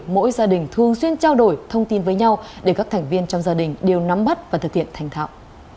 mỗi gia đình thường xuyên trao đổi thông tin với nhau để các thành viên trong gia đình đều nắm bắt và thực hiện thành thạo